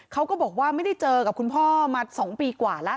เขาก็บอกว่าไม่ได้เจอกับคุณพ่อมา๒ปีกว่าแล้ว